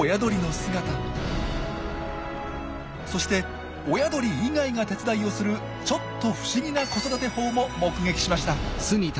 そして親鳥以外が手伝いをするちょっと不思議な子育て法も目撃しました。